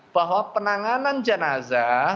bahwa penanganan jenazah